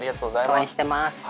応援してます。